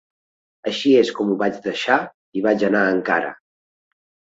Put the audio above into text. Així és com ho vaig deixar i vaig anar a Ankara.